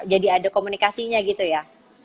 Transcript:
jadi ada komunikasinya gitu ya